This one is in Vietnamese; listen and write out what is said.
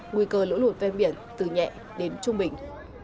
nguy cơ lũ lụt ven biển từ nhẹ đến trung bình